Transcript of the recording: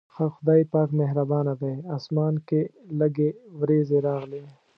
خدای پاک مهربانه دی، اسمان کې لږې وريځې راغلې.